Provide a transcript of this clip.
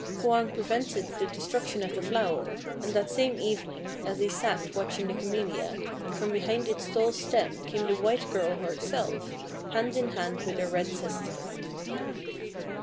Hwang prevented the destruction of the flower; and that same evening, as he sat watching the Camellia, from behind its tall stem came the white girl herself, hand in hand with her red sister.